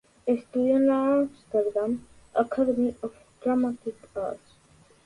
Estudió en la Amsterdam Academy of Dramatic Arts.